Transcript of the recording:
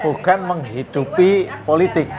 bukan menghidupi politik